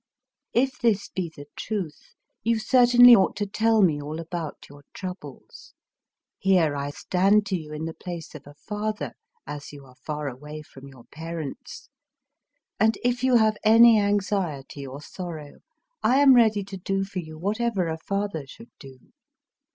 If this be the truth, you certainly ought to tell me all about your troubles. Here I stand to you in the place of a fether, as you are far away from your parents ; and if you have any anxiety or sorrow, I am ready to do for you whatever a father should do.